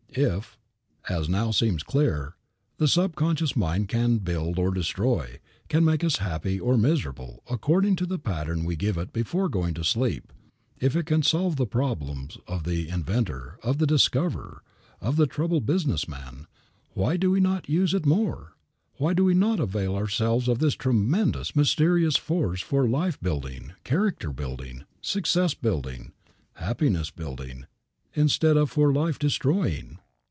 If, as now seems clear, the subconscious mind can build or destroy, can make us happy or miserable according to the pattern we give it before going to sleep, if it can solve the problems of the inventor, of the discoverer, of the troubled business man, why do we not use it more? Why do we not avail ourselves of this tremendous mysterious force for life building, character building, success building, happiness building, instead of for life destroying?